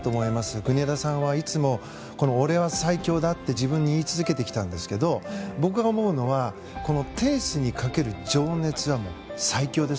国枝さんはいつも俺は最強だって自分に言い続けてきたんですが僕が思うのはテニスにかける情熱は最強です。